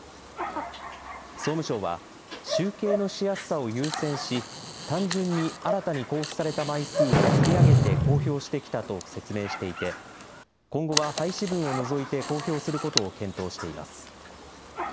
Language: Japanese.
総務省は集計のしやすさを優先し、単純に新たに交付された枚数を積み上げて公表してきたと説明していて、今後は廃止分を除いて公表することを検討しています。